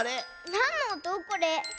なんのおとこれ？